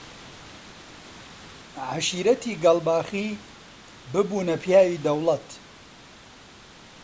عەشیرەتی گەڵباخی ببوونە پیاوی دەوڵەت